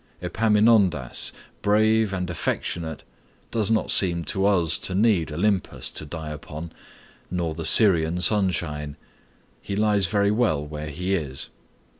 Epaminondas, brave and affectionate, does not seem to us to need Olympus to die upon, nor the Syrian sunshine. He lies very well where he is.